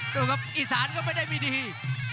ดูครับอีสานก็ไม่ได้มีดี